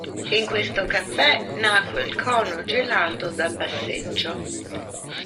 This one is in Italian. In questo caffè nacque il cono gelato da passeggio.